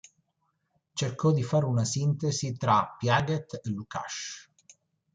Cercò di fare una sintesi tra Piaget e Lukács.